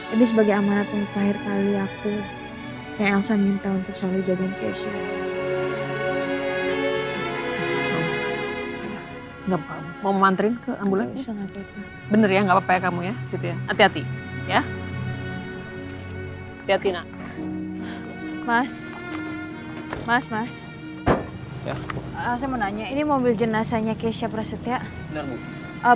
ini sebagai amanat untuk terakhir kali aku yang elsa minta untuk selalu jagain keisha